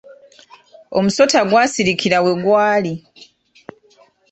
Omusota gwasirikira we gwali.